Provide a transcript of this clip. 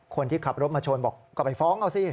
คนที่ขับรถมาชนบอกก็ไปฟ้องเอาสิ